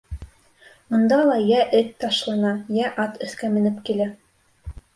Унда ла йә эт ташлана, йә ат өҫкә менеп килә...